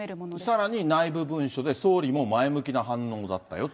さらに内部文書で総理も前向きだったよと。